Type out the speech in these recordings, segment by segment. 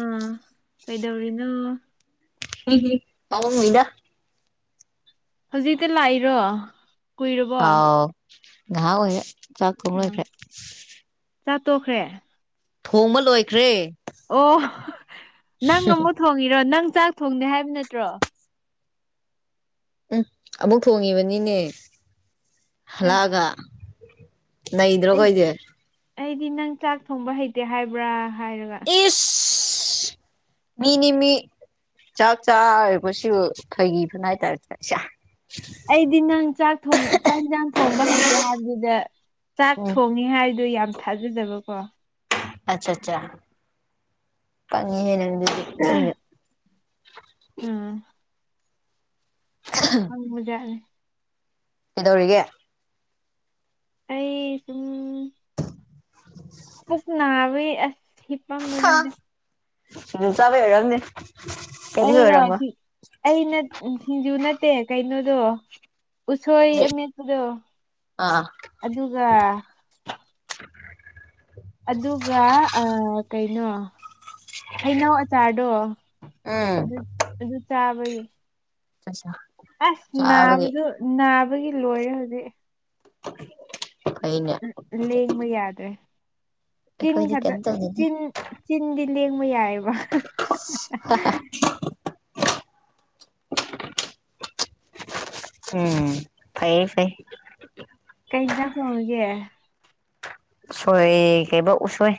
ꯑꯥ ꯀꯩꯗꯧꯔꯤꯅ ꯎꯝꯝꯥꯎ ꯃꯣꯏꯗ ꯍꯧꯖꯤꯛꯇ ꯂꯥꯛꯏꯔꯣ ꯀꯨꯏꯔꯕꯣ ꯉꯥꯎ ꯑꯣꯏ ꯆꯥꯛꯀ ꯑꯣꯏꯣꯏ ꯐ ꯆꯥꯠꯇꯣꯛꯈ꯭ꯔꯦ ꯊꯣꯡꯕ ꯂꯣꯏꯈ꯭ꯔꯦ ꯑꯣ ꯅꯪ ꯑꯃꯨꯛ ꯊꯣꯡꯉꯤꯔꯣ ꯅꯪ ꯆꯥꯛ ꯊꯣꯡꯅꯦꯦ ꯍꯥꯏꯕ ꯅꯠꯇ꯭ꯔꯣ ꯎꯝ ꯑꯃꯨꯛ ꯊꯣꯡꯉꯤꯕꯅꯤꯅꯦ ꯑꯁ ꯍꯂꯛꯑꯒ ꯅ ꯑꯩ ꯏ꯭ꯔꯣꯒꯣꯏꯗꯦ ꯑꯩꯗꯤ ꯅꯪ ꯆꯥꯛ ꯊꯣꯡꯕ ꯍꯩꯇꯦ ꯍꯥꯏꯕ꯭ꯔꯥ ꯍꯥꯏꯔꯒ ꯏꯁ ꯃꯤꯅꯤꯃꯤ ꯆꯥꯛ ꯆꯥꯒꯁꯨ ꯐꯩ ꯐꯅ ꯍꯥꯏꯇꯥꯔꯦ ꯆꯁ ꯑꯩꯗꯤ ꯅꯪ ꯆꯥꯛ ꯊꯣꯡ ꯆꯥꯛ ꯌꯦꯟꯁꯥꯡ ꯊꯣꯡꯕ ꯍꯩꯇꯦ ꯍꯥꯏꯕꯗꯨꯗ ꯆꯥꯛ ꯎꯝ ꯊꯣꯡꯉꯦ ꯍꯥꯏꯗꯨꯣ ꯌꯥꯝ ꯊꯥꯖꯗꯕꯀꯣ ꯑꯆꯥ ꯑꯆꯥꯉꯤꯅ ꯍ ꯍꯖꯔꯦ ꯏꯧꯒ ꯑꯩ ꯁꯝ ꯄꯨꯛ ꯅꯥꯎ ꯑꯁꯤꯁ ꯍꯄꯥ ꯃꯗ ꯍ ꯆꯕ ꯍꯥꯏꯅꯤ ꯑꯩꯅ ꯑꯩ ꯁꯤꯡꯖꯨ ꯅꯠꯇꯦ ꯀꯩꯅꯣꯗꯣ ꯎꯁꯣꯏ ꯑꯃꯦꯠꯇꯨꯗꯣ ꯑꯥ ꯑꯗꯨꯒ ꯑꯗꯨꯒ ꯀꯩꯅꯣ ꯍꯩꯅꯧ ꯑꯆꯥꯔꯗꯣ ꯎꯝ ꯑꯗꯨ ꯑꯗꯨ ꯆꯥꯕꯒꯤ ꯆꯥ ꯑꯁ ꯅꯥꯕꯗꯨ ꯅꯥꯕꯒꯤ ꯂꯣꯏꯔꯦ ꯍꯧꯖꯤꯛ ꯐꯩꯅꯦ ꯎꯝ ꯂꯦꯡꯕ ꯌꯥꯗ꯭ꯔꯦ ꯆꯤꯟ ꯑꯩꯈꯣꯏꯗꯤ ꯈꯗ ꯀꯩꯝ ꯇꯧꯗꯦꯗ ꯆꯤꯟ ꯆꯤꯟꯒꯤ ꯂꯦꯡꯕ ꯌꯥꯏꯑꯕ [inaudible] ꯎꯝ ꯐꯌꯦ ꯐꯩ ꯀꯩꯅꯅꯥ ꯐꯣꯡꯒꯦ ꯁꯣꯏ ꯀꯩꯕ ꯎꯁꯣꯏ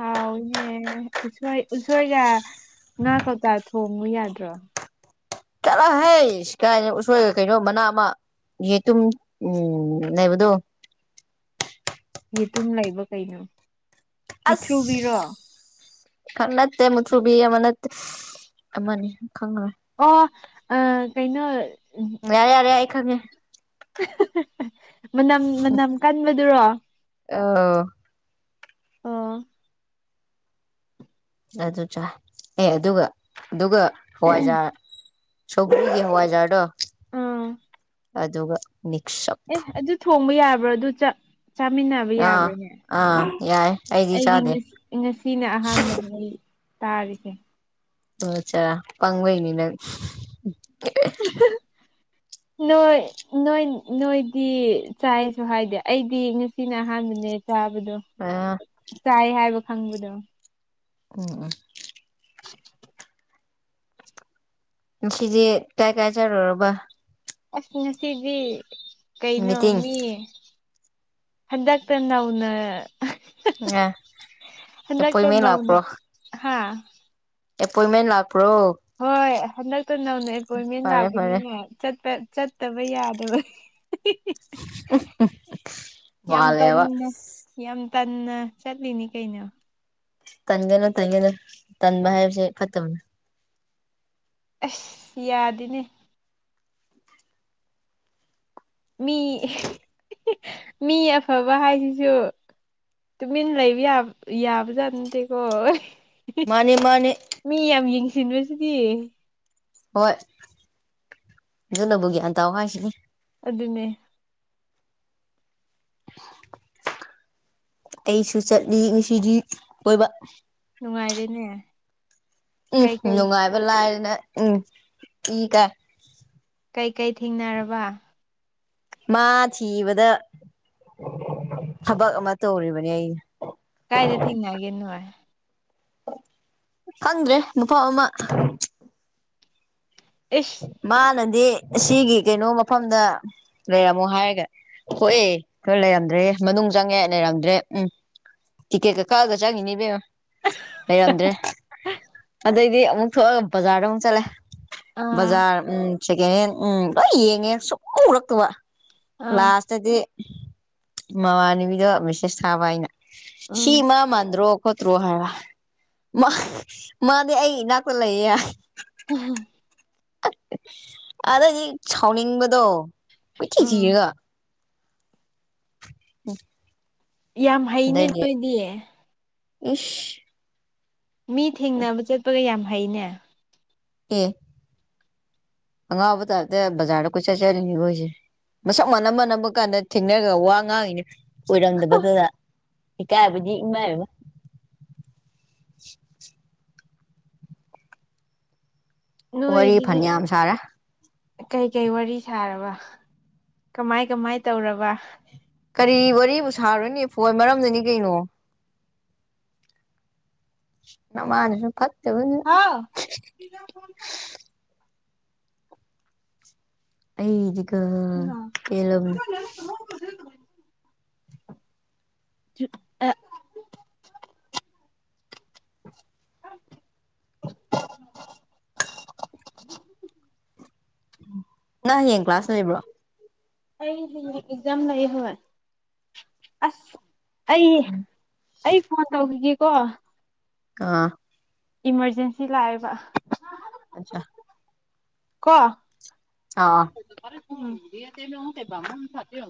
ꯍꯥꯎꯅꯦ ꯎꯁꯣꯏ ꯎꯁꯣꯏꯒ ꯉꯥ ꯀꯧꯇꯥ ꯊꯣꯡꯉꯨ ꯌꯥꯗ꯭ꯔꯣ ꯀꯔꯥ ꯍꯥꯏꯩꯁ ꯀꯥꯏ ꯎꯣꯏ ꯀꯩꯅꯣ ꯃꯅꯥ ꯑꯃ ꯌꯦ ꯇ ꯎꯝ ꯅꯕꯨꯗꯣ ꯌꯦꯇꯨꯝ ꯂꯩꯕ ꯀꯩꯅꯣ ꯑꯁ ꯃꯤꯊ꯭ꯔꯨꯕꯤꯔꯣ ꯈꯪ ꯅꯠꯇꯦ ꯃꯨꯊ꯭ꯔꯨꯕꯤ ꯑꯃ ꯅꯠꯇꯦ ꯑꯃꯅꯤꯅꯤ ꯈꯪ ꯑꯣ ꯑ ꯀꯩꯅꯣ ꯌꯥꯔꯦ ꯌꯥꯔꯦ ꯍꯥꯏꯏ ꯈꯪꯉꯦ ꯃꯅꯝ ꯃꯅꯝ ꯀꯟꯕꯗꯨꯔꯣ ꯑꯧ ꯑꯣ ꯑꯗꯨ ꯆ ꯑꯦ ꯑꯗꯨꯒ ꯑꯗꯨꯒ ꯍꯋꯥꯏꯖꯥꯔ ꯁꯒꯒꯤ ꯍꯋꯥꯖꯗꯣ ꯑꯝ ꯑꯗꯨꯒ ꯃꯤꯛꯁ ꯑꯞ ꯑꯦ ꯑꯗꯨ ꯊꯣꯡꯕ ꯌꯥꯕ꯭ꯔꯥ ꯑꯗꯨ ꯆꯥꯃꯤꯟꯅꯕ ꯑꯥ ꯌꯥꯕ꯭ꯔꯥꯅꯦ ꯑꯥ ꯌꯥꯏ ꯑꯩꯗꯤ ꯆꯥꯗꯦ ꯑꯩꯗꯤꯁꯤ ꯉꯁꯤꯅ ꯑꯍꯥꯟꯕꯅꯦ ꯑꯩ ꯇꯥꯔꯤꯁꯦ ꯎ ꯆꯔ ꯄꯪꯅꯤꯅ ꯎ ꯅꯣꯏ ꯅꯣꯏꯗꯤ ꯆꯥꯏꯁꯨ ꯍꯥꯏꯗꯦ ꯑꯩꯗꯤ ꯉꯁꯤꯅ ꯑꯍꯥꯟꯕꯅꯦ ꯆꯥꯕꯗꯣ ꯑ ꯆꯥꯏ ꯍꯥꯏꯕ ꯈꯪꯕꯗꯣ ꯑꯣ ꯑ [unintelligible] ꯁꯤꯖꯤꯦ ꯀꯥꯏ ꯀꯥꯏ ꯆꯔꯔꯣꯕ ꯑꯁ ꯉꯁꯤꯗꯤ ꯀꯩꯅꯣ ꯃꯤꯇꯤꯡ ꯃꯤꯌꯦ ꯍꯟꯗꯥꯛ ꯇꯅꯎꯅ ꯑꯦ ꯀ ꯑꯦꯄꯣꯏꯟꯃꯦꯟ ꯅꯎꯅꯦ ꯂꯥꯛꯄ꯭ꯔꯣ ꯍꯥ ꯑꯦꯄꯣꯏꯟꯃꯦꯟ ꯂꯥꯛ ꯍꯣꯏ ꯍꯟꯗꯛꯇ ꯅꯧꯅ ꯑꯦꯄꯣꯏꯟꯃꯦꯟ ꯐꯔꯦ ꯐꯔꯦ ꯂꯥꯛꯄꯅꯤꯅ ꯆꯠꯄ ꯆꯠꯇꯕ ꯌꯥꯗꯕ ꯌꯥꯝ ꯃꯥꯜꯂꯦꯕ ꯇꯟꯅ ꯌꯥꯝ ꯇꯟꯅ ꯆꯠꯂꯤꯅꯤ ꯀꯩꯅ ꯇꯟꯒꯅꯣ ꯇꯟꯒꯅ ꯇꯟꯕ ꯍꯥꯏꯕꯁꯦ ꯐꯠꯇꯕꯅꯦ ꯑꯁ ꯌꯥꯗꯅꯦ ꯃꯤ ꯃꯤ ꯑꯐꯕ ꯍꯥꯏꯁꯤꯁꯨ ꯇꯨꯃꯤꯟꯅ ꯂꯩꯕ ꯌꯥꯕ ꯌꯥꯕꯖꯥꯠ ꯅꯠꯇꯦꯀꯣꯣꯏ ꯃꯥꯅꯦ ꯃꯥꯅꯦ ꯃꯤ ꯌꯥꯝ ꯌꯦꯡꯁꯤꯟꯕꯁꯤꯗꯤ ꯍꯣꯏ ꯑꯗꯨꯨꯂꯕꯨꯒ꯭ꯌꯥꯟ ꯇ ꯍꯥꯏꯁꯤꯅꯤ ꯑꯗꯨ ꯑꯗꯨꯅꯦ ꯑꯩꯁꯨ ꯆꯠꯂꯤ ꯉꯁꯤꯗꯤ ꯀꯣꯏꯕ ꯅꯨꯡꯉꯥꯏꯔꯦꯅꯦ ꯎꯝ ꯀꯩꯀꯩ ꯅꯨꯡꯉꯥꯏꯕ ꯂꯥꯏꯗꯅ ꯎꯝ ꯏ ꯀꯥꯏ ꯀꯩꯀꯩ ꯊꯦꯡꯅꯔꯕ ꯃꯥ ꯊꯤꯕꯗ ꯊꯕꯛ ꯑꯃ ꯇꯧꯔꯤꯕꯅꯤ ꯑꯩꯅ ꯀꯥꯏꯗ ꯊꯦꯡꯅꯒꯦ ꯅꯣꯏ ꯈꯪꯗ꯭ꯔꯦ ꯅꯨꯄꯥ ꯑꯃ ꯏꯁ ꯃꯥ ꯅꯟ ꯗꯤ ꯑꯁꯤꯒꯤ ꯀꯩꯅꯣ ꯃꯐꯝꯗ ꯂꯩꯔꯝꯃꯣ ꯍꯥꯏꯔꯒ ꯊꯣꯛꯣꯛꯑꯦ ꯈꯣꯏ ꯂꯩꯔꯝꯗ꯭ꯔꯦ ꯃꯅꯨꯡ ꯆꯪꯉꯦ ꯂꯩꯔꯝꯗ꯭ꯔꯦ ꯎꯝ ꯇꯤꯛꯀꯦꯠꯀ ꯀꯛꯑꯒ ꯆꯪꯉꯤꯅꯦꯕꯦꯝ ꯂꯩꯔꯝꯗ꯭ꯔꯦ ꯑꯗꯩꯗꯤ ꯑꯃꯨꯛ ꯊꯣꯛꯑꯒ ꯕꯖꯥꯔꯗ ꯑꯃꯨꯛ ꯆꯠꯂꯦ ꯑꯥ ꯕꯖꯥꯔ ꯎꯝ ꯁꯦꯀꯦꯟ ꯍꯦꯟ ꯎꯝ ꯂꯣꯏ ꯌꯦꯡꯉꯦ ꯁꯨꯡ ꯎꯔꯛꯇꯕ ꯑꯥ ꯂꯥꯁꯇꯗꯤ ꯃꯃꯥꯟꯅꯕꯤꯗꯣ ꯃꯤꯁꯦꯁ ꯊꯥꯕ ꯍꯥꯏꯅ ꯎꯝ ꯁꯤꯤꯃꯥ ꯃꯗ꯭ꯔꯣ ꯈꯣꯠꯇ꯭ꯔꯣ ꯍꯥꯏꯔ ꯃꯥ ꯃꯥꯗꯤ ꯑꯩ ꯏꯅꯥꯛꯇ ꯂꯩꯌꯦ ꯌꯥꯔ ꯑꯗꯗꯤ ꯁꯥꯎꯅꯤꯡꯕꯗꯣ ꯀꯊꯤ ꯎꯝ ꯊꯤꯔꯒ ꯎꯝ ꯌꯥꯝ ꯍꯩꯅꯦ ꯅꯣꯏꯗꯤꯌꯦ ꯎꯁ ꯍꯥꯏꯩꯅꯦ ꯑꯦꯦ ꯑꯪꯉꯥꯎꯕ ꯇꯔꯗ ꯕꯖꯔ ꯀ ꯑꯆꯔ ꯑꯣꯏꯁꯦ ꯃꯁꯛ ꯃꯥꯟꯅꯝ ꯃꯥꯟꯅꯕ ꯀꯥꯟꯗ ꯊꯦꯡꯅꯔꯒ ꯋꯥ ꯉꯥꯡꯉꯤꯅ ꯑꯣꯏꯔꯝꯗꯕꯗꯨꯗ ꯍ ꯀꯥꯏ ꯏꯃꯕ ꯋꯥꯔꯤ ꯅꯣꯏꯁꯤꯗꯤ ꯐꯅꯌꯥꯝ ꯁꯥꯔꯦ ꯀꯩꯀꯩ ꯋꯥꯔꯤ ꯁꯥꯔꯕ ꯀꯃꯥꯏ ꯀꯃꯥꯏ ꯇꯧꯔꯕ ꯀꯔꯤ ꯋꯥꯔꯤꯕꯨ ꯁꯥꯔꯅꯦ ꯐꯣꯏ ꯃꯔꯝꯗꯨꯅꯤ ꯀꯩꯅꯣ ꯅꯃꯅꯦ ꯐꯠ ꯍꯥꯎ ꯑꯩꯗꯤꯒ ꯀꯂꯕꯅꯦ ꯑ [unintelligible] [unintelligible] ꯅꯪ ꯍꯌꯦꯡ ꯀ꯭ꯂꯥꯁꯅ ꯂꯩꯕ꯭ꯔꯣ ꯑꯩ ꯑꯦꯛꯖꯝ ꯂꯩꯥꯏ ꯍ ꯑꯁ ꯑꯩ ꯑꯩ ꯐꯣꯟ ꯇꯧꯈꯤꯒꯦꯀꯣ ꯑꯥ ꯏꯃꯥꯔꯖꯦꯟꯁꯤ ꯂꯥꯛꯑꯦꯕ ꯑꯆꯥ ꯀ ꯑꯥ ꯑꯥ ꯎꯝ ꯌꯦ ꯑꯃꯨ ꯀꯕꯥꯝꯃ ꯊꯗ